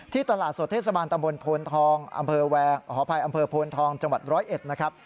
ที่ตลาดสดเทศบาลตำบลโพนทองอำเภอโพนทองจังหวัดร้อยเอ็ดนะครับ